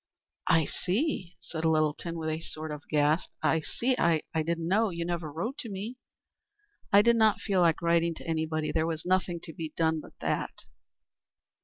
"I see" said Littleton with a sort of gasp "I see. I did not know. You never wrote to me." "I did not feel like writing to any body. There was nothing to be done but that."